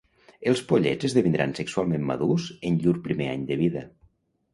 Els pollets esdevindran sexualment madurs en llur primer any de vida.